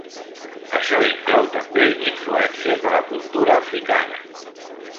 Això inclou també influències de la cultura africana.